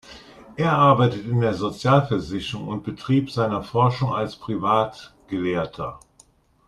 Er arbeitete in der Sozialversicherung und betrieb seine Forschungen als Privatgelehrter.